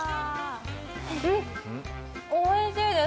おいしいです。